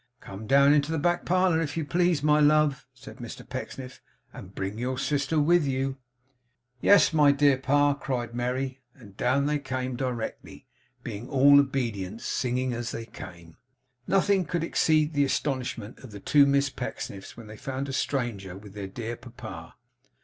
'Come down into the back parlour, if you please, my love,' said Mr Pecksniff, 'and bring your sister with you.' 'Yes, my dear pa,' cried Merry; and down they came directly (being all obedience), singing as they came. Nothing could exceed the astonishment of the two Miss Pecksniffs when they found a stranger with their dear papa.